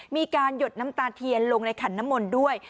มีการหยดน้ำตาเทียนลงในขันน้ำมนต์ด้วย